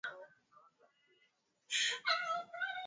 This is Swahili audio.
Wanyama wawili tofauti wanapigana